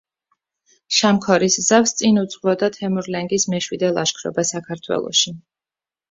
შამქორის ზავს წინ უძღვოდა თემურლენგის მეშვიდე ლაშქრობა საქართველოში.